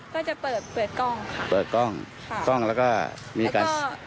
ก็จะเปิดเปิดกล้องค่ะเปิดกล้องค่ะกล้องแล้วก็มีการ